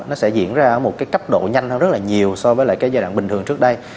nó sẽ diễn ra ở một cái cấp độ nhanh hơn rất là nhiều so với lại cái giai đoạn bình thường trước đây